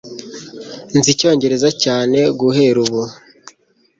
Nziga Icyongereza cyane guhera ubu.